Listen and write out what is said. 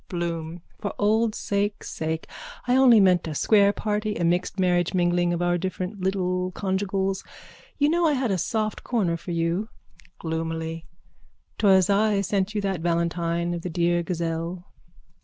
BLOOM: For old sake' sake. I only meant a square party, a mixed marriage mingling of our different little conjugials. You know I had a soft corner for you. (Gloomily.) 'Twas I sent you that valentine of the dear gazelle.